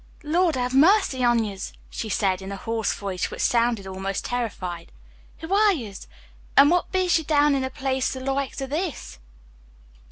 "Lord have mercy on yez!" she said in a hoarse voice which sounded almost terrified. "Who are yez, an' what bees ye dow' in a place the loike o' this?"